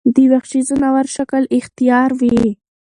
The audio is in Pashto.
د وحشي ځناور شکل اختيار وي